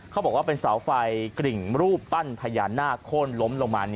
เขาบอกว่าเป็นเสาไฟกริ่งรูปปั้นพญานาคโค้นล้มลงมา